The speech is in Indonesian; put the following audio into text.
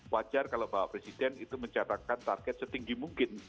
wajar kalau bapak presiden itu mencatatkan target setinggi mungkin